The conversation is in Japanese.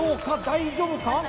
大丈夫か？